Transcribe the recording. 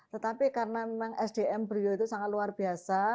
tetapi karena memang sdm beliau itu sangat luar biasa